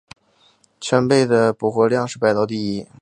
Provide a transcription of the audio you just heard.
蚬贝的补获量是北海道第一。